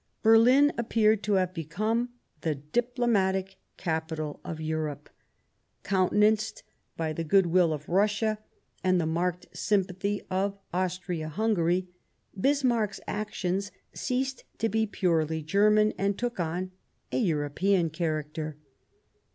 Berlin appeared to have become the diplomatic capital of Europe ; countenanced by the good will of Russia and the marked sympathy of Austria Hungary, Bismarck's actions ceased to be purely German and took on a European character.